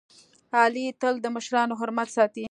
علي تل د مشرانو حرمت ساتي.